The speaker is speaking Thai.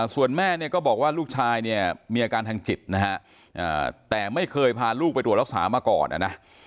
ส่วนแม่ก็บอกว่าลูกชายมีอาการทางจิตแต่ไม่เคยพาลูกไปตรวจรักษามาก่อน